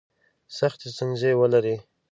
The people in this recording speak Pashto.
سختي ستونزي ولري.